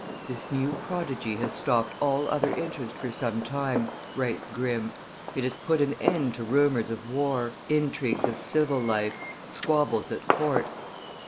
"This new prodigy has stopped all other interest for some time," writes Grimm; it has put an end to rumors of war, intrigues in civil life, squabbles at court.